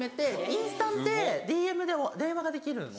インスタってＤＭで電話ができるの。